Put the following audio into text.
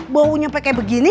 baunya sampai kayak begini